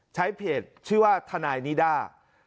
ใช้เพจชื่อว่าทนายนิด้า